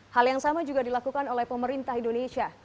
hal yang sama juga dilakukan oleh pemerintah indonesia